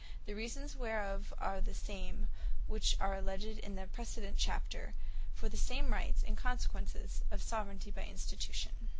The reasons whereof, are the same which are alledged in the precedent Chapter, for the same Rights, and Consequences of Soveraignty by Institution.